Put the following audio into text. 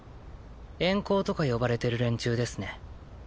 エンコーとか呼ばれてる連中ですね